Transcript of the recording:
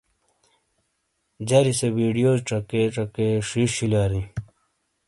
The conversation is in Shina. جری سے ویڈیوز چکے چکے ݜیݜ شولیاری۔